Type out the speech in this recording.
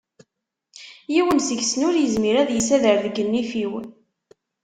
Yiwen seg-sen ur yezmir ad yesader deg nnif-iw.